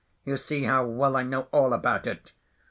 You see how well I know all about it!